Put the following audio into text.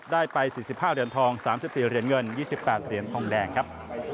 ได้ไป๔๕เดือนทอง๓๔เดือนเงิน๒๘เดือนทองแดงครับ